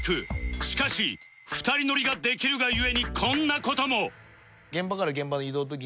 しかし２人乗りができるが故にこんな事も